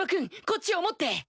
こっちを持って。